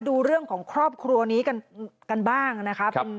ดูเรื่องของครอบครัวนี้กันบ้างนะครับ